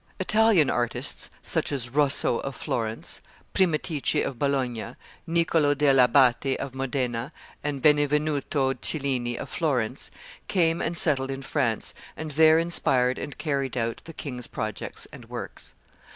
Italian artists, such as Rosso of Florence, Primatice of Bologna, Niccolo dell' Abbate of Modena, and Benvenuto Cellini of Florence, came and settled in France, and there inspired and carried out the king's projects and works.